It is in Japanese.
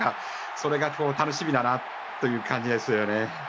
それが楽しみだなという感じですよね。